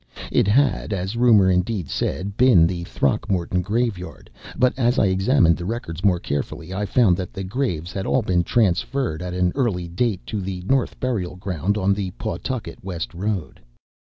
It had, as rumor indeed said, been the Throckmorton graveyard; but as I examined the records more carefully, I found that the graves had all been transferred at an early date to the North Burial Ground on the Pawtucket West Road.